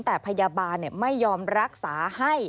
แต่พยาบาลไม่ยอมรักษาให้